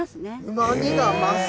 うまみが増す。